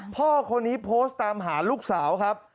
พ่อคนนี้โพสต์ตามหาลูกสาวครับ